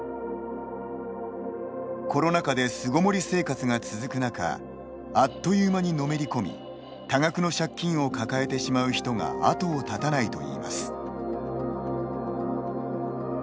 コロナ禍で巣ごもり生活が続く中あっという間にのめり込み多額の借金を抱えてしまう人が後を絶たないといいます。